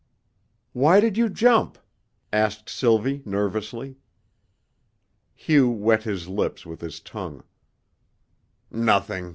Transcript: "Why did you jump?" asked Sylvie nervously. Hugh wet his lips with his tongue.